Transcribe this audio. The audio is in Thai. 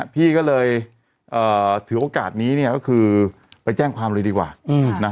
พี่ก็เลยถือโอกาสนี้ก็คือไปแจ้งความเลยดีกว่า